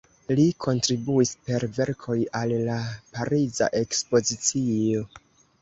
Li kontribuis per verkoj al la Pariza Ekspozicio.